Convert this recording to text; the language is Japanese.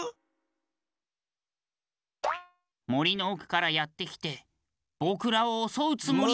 もりのおくからやってきてぼくらをおそうつもりなん。